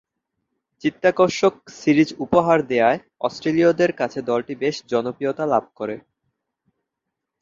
চিত্তাকর্ষক সিরিজ উপহার দেয়ায় অস্ট্রেলীয়দের কাছে দলটি বেশ জনপ্রিয়তা লাভ করে।